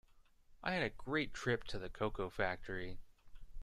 I had a great trip to a cocoa factory.